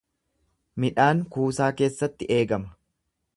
Midhaan kuusaa keessatti eegama.